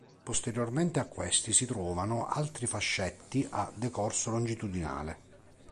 Posteriormente a questi si trovano altri fascetti a decorso longitudinale.